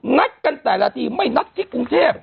นัดกันแต่ละทีไม่นัดที่กรุงเทพ